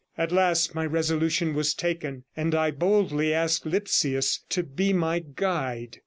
At last my resolution was taken, and I boldly asked Lipsius to be my guide.